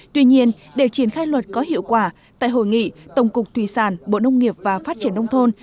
tuy nhiên để triển khai luật có hiệu quả tại hội nghị tổng cục thủy sản bộ nông nghiệp và phát triển nông thôn